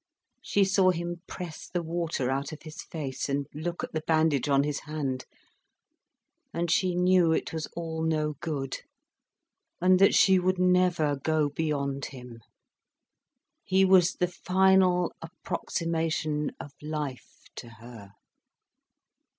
She saw him press the water out of his face, and look at the bandage on his hand. And she knew it was all no good, and that she would never go beyond him, he was the final approximation of life to her.